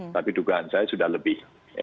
tapi dugaan saya sudah lebih